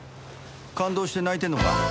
感動して泣いてんのか？